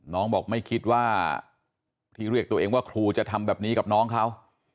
น้องบอกไม่คิดว่าที่เรียกตัวเองว่าครูจะทำแบบนี้กับน้องเขา